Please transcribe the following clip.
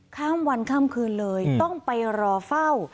ข้ามวันข้ามคืนเลยต้องไปรอเฝ้า